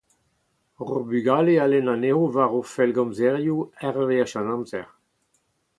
Hor bugale a lenn anezho war o foellgomzerioù, ur wech an amzer.